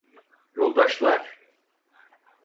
Yoldaşlar?